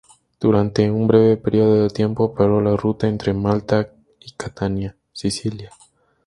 Durante un breve periodo de tiempo operó la ruta entre Malta y Catania, Sicilia.